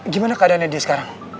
gimana keadaannya dia sekarang